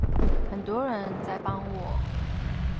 很多人在幫我